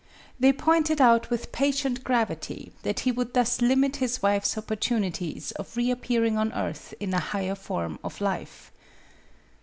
They pointed out with pati&nt gravity that he would thus limit his wife's opportunities of reappearing on earth in a higher form of life.